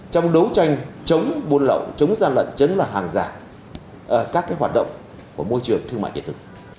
trong đấu tranh chống buôn lậu chống gian lận chấn là hàng giả các hoạt động của môi trường thương mại điện tử